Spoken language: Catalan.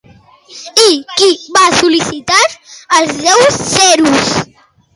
I què va sol·licitar al déu Zeus?